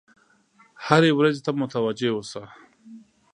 هرې ورځې ته متوجه اوسه.